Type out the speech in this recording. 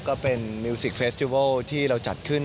ก็เป็นมิวสิกเฟสติวัลที่เราจัดขึ้น